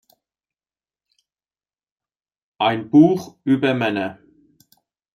Ein Buch über Männer.